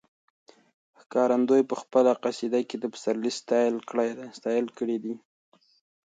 ښکارندوی په خپله قصیده کې د پسرلي ستایل کړي دي.